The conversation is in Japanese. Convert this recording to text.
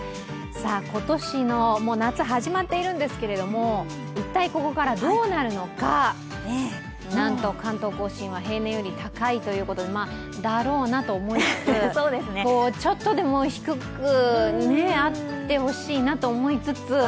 今年の夏、始まってるんですけれども一体ここからどうなるのか、なんと、関東甲信は平年より高いということでだろうなと思いつつ、ちょっとでも低くあってほしいなと思いつつ。